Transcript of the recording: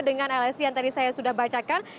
dengan lsi yang tadi saya sudah bacakan